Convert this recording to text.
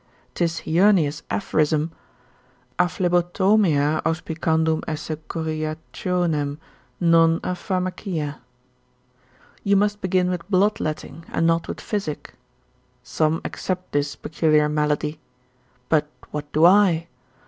'Tis Heurnius' aphorism a phlebotomia auspicandum esse curiationem, non a pharmacia, you must begin with bloodletting and not physic; some except this peculiar malady. But what do I?